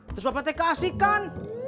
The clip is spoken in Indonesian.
terus bapak teka asikan